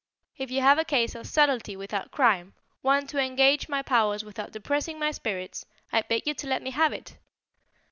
If you have a case of subtlety without crime, one to engage my powers without depressing my spirits, I beg you to let me have it.